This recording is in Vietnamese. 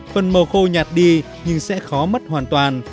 phần màu khô nhạt đi nhưng sẽ khó mất hoàn toàn